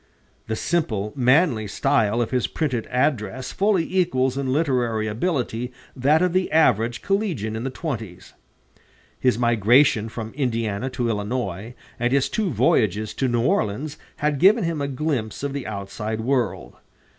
The simple, manly style of his printed address fully equals in literary ability that of the average collegian in the twenties. His migration from Indiana to Illinois and his two voyages to New Orleans had given him a glimpse of the outside world.